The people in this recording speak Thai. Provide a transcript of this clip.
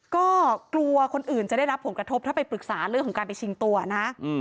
ก็กลัวคนอื่นจะได้รับผลกระทบถ้าไปปรึกษาเรื่องของการไปชิงตัวนะ